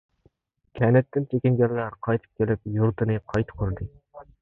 كەنتتىن چېكىنگەنلەر قايتىپ كېلىپ يۇرتىنى قايتا قۇردى.